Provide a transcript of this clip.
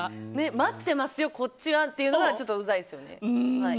待ってますよ、こっちはっていうのがちょっと、うざいですよね。